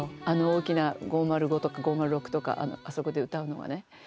あの大きな５０５とか５０６とかあそこで歌うのはね。